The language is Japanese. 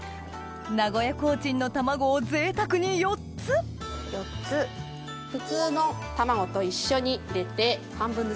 名古屋コーチンの卵をぜいたくに４つ４つ普通の卵と一緒に入れて半分ずつですね。